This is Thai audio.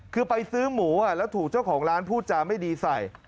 คือไปซื้อหมูแล้วถูกเจ้าของร้านพูดจาไม่ดีใส่